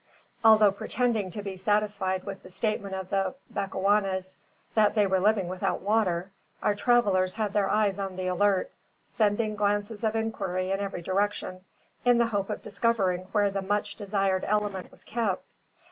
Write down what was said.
Although pretending to be satisfied with the statement of the Bechuanas, that they were living without water, our travellers had their eyes on the alert, sending glances of inquiry in every direction, in the hope of discovering where the much desired element was kept.